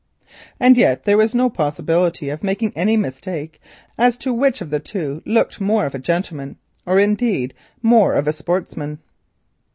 And yet there was no possibility of making any mistake as to which of the two looked more of a gentleman, or, indeed, more of a sportsman.